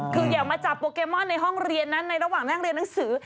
คืออย่ามาจับโปเกมอนในห้องเรียนนั้นในระหว่างนั่งเรียนหนังสือ